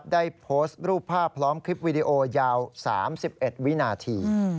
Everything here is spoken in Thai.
ได้โพสต์รูปภาพพร้อมคลิปวิดีโอยาว๓๑วินาที